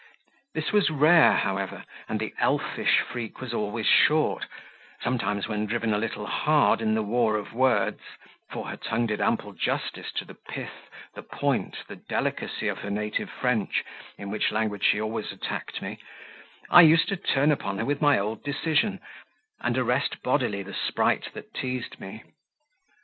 This was rare, however, and the elfish freak was always short: sometimes when driven a little hard in the war of words for her tongue did ample justice to the pith, the point, the delicacy of her native French, in which language she always attacked me I used to turn upon her with my old decision, and arrest bodily the sprite that teased me.